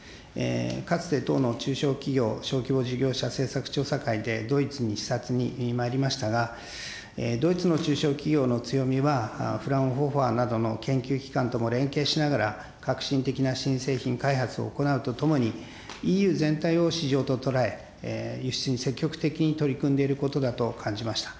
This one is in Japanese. かつて党の中小企業小規模事業者政策調査会でドイツに視察に参りましたが、ドイツの中小企業の強みは、などの研究機関とも連携しながら、革新的な新製品開発を行うとともに、ＥＵ全体を市場と捉え、輸出に積極的に取り組んでいることだと感じました。